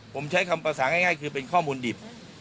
ผมใช้คำภาษาง่ายคือเป็นข้อมูลดิบ